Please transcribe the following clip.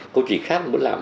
công trình khác cũng muốn làm